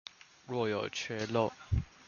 若有缺漏